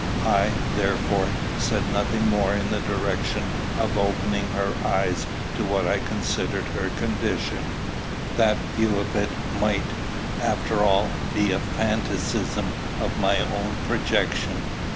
I, therefore, said nothing more in the direction of opening her eyes to what I considered her condition: that view of it might, after all, be but a phantasm of my own projection.